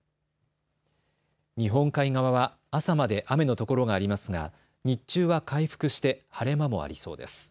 日本海側は朝まで雨のところがありますが日中は回復して晴れ間もありそうです。